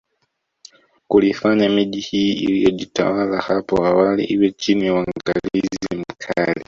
Kuliifanya miji hii iliyojitawala hapo awali iwe chini ya uangalizi mkali